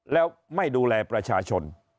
แล้วไม่ดูแลประชาชน